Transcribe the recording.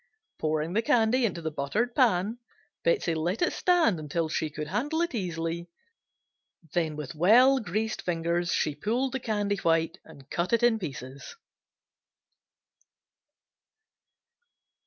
Pouring the candy into the buttered pan, Betsey let it stand until she could handle it easily, then with well greased fingers she pulled the candy white and cut it in pieces.